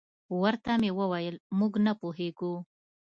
ورته مې وویل: موږ نه پوهېږو.